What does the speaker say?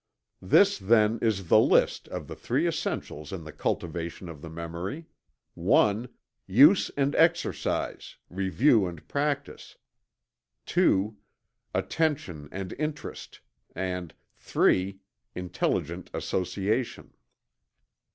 This then is the list of the three essentials in the cultivation of the memory: (1) Use and exercise; review and practice; (2) Attention and Interest; and (3) Intelligent Association.